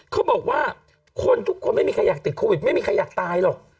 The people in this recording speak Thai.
เขาบอกว่าคนทุกคนไม่มีใครอยากติดโควิดไม่มีใครอยากตายหรอก